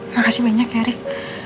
makasih banyak ya rick